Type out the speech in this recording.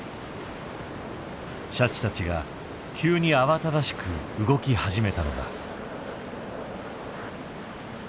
シャチたちが急に慌ただしく動き始めたのだ。